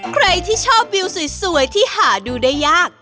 ใครที่ชอบวิวสวยที่หาดูได้ยาก